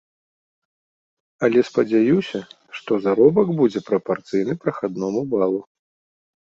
Але спадзяюся, што заробак будзе прапарцыйны прахадному балу.